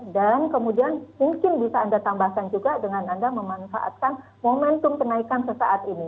dan kemudian mungkin bisa anda tambahkan juga dengan anda memanfaatkan momentum kenaikan sesaat ini